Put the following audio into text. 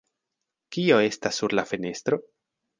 Kio estas sur la fenestro?